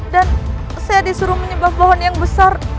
dan saya disuruh menyebab bahan yang besar